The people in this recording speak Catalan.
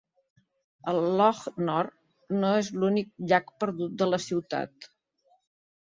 El Loch Nor no és l'únic "llac perdut" de la ciutat.